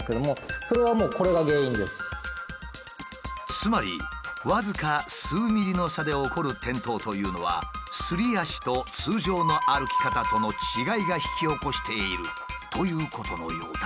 つまり僅か数ミリの差で起こる転倒というのはすり足と通常の歩き方との違いが引き起こしているということのようだ。